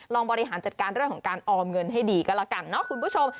บริหารจัดการเรื่องของการออมเงินให้ดีก็แล้วกันเนาะคุณผู้ชม